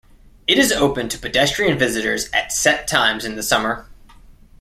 It is open to pedestrian visitors at set times in the summer.